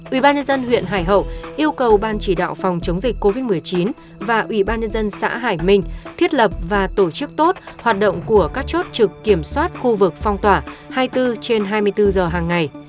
ubnd huyện hải hậu yêu cầu ban chỉ đạo phòng chống dịch covid một mươi chín và ủy ban nhân dân xã hải minh thiết lập và tổ chức tốt hoạt động của các chốt trực kiểm soát khu vực phong tỏa hai mươi bốn trên hai mươi bốn giờ hàng ngày